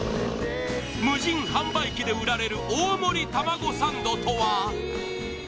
無人販売機で売られる大盛り玉子サンドとは？